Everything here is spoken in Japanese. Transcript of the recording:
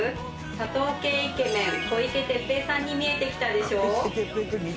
砂糖系イケメン小池徹平さんに見えてきたでしょ？